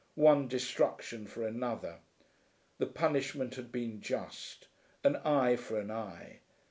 One destruction for another! The punishment had been just. An eye for an eye!